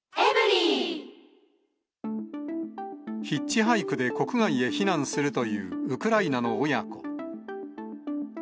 ヒッチハイクで国外へ避難するというウクライナの親子。